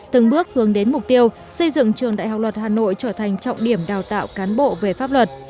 từng bước hướng đến mục tiêu xây dựng trường đại học luật hà nội trở thành trọng điểm đào tạo cán bộ về pháp luật